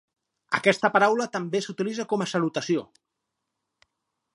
Aquesta paraula també s'utilitza com a salutació.